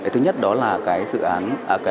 thứ nhất đó là sự án